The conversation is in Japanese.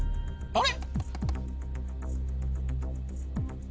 あれ？